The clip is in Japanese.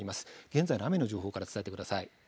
現在の雨の情報から伝えてください。